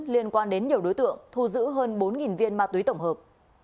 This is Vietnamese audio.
liên quan đến nhiều đối tượng thu giữ hơn bốn viên ma túy tổng hợp